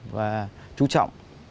và chú trọng